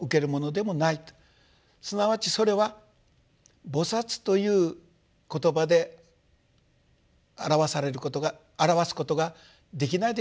すなわちそれは「菩薩」という言葉で表されることが表すことができないでしょうか。